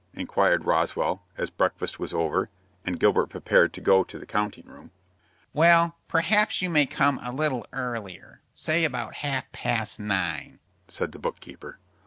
inquired Roswell, as breakfast was over, and Gilbert prepared to go to the counting room. "Well, perhaps you may come a little earlier, say about half past nine," said the book keeper.